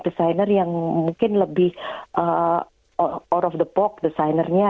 desainer yang mungkin lebih out of the box designernya